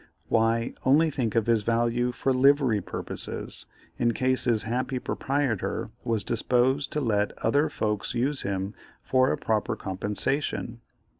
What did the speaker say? Why, only think of his value for livery purposes in case his happy proprietor was disposed to let other folks use him for a proper compensation.